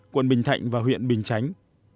quận bình thạnh và huyện bình chánh